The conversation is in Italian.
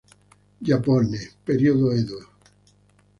Giappone, periodo Edo.